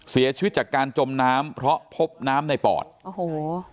เสียชีวิตจากการจมน้ำเพราะพบน้ำในปอดโอ้โห